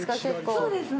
そうですね。